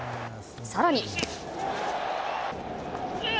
更に。